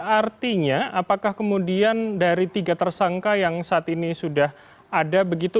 artinya apakah kemudian dari tiga tersangka yang saat ini sudah ada begitu